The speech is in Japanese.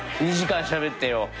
２時間しゃべってよ。